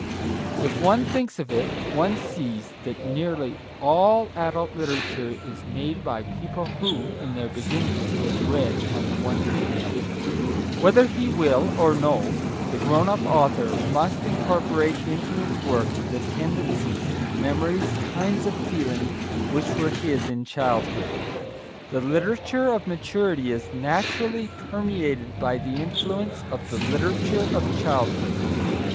If one thinks of it, one sees that nearly all adult literature is made by people who, in their beginnings, were bred on the wonder tale. Whether he will or no, the grown up author must incorporate into his work the tendencies, memories, kinds of feeling which were his in childhood. The literature of maturity is, naturally, permeated by the influence of the literature of childhood.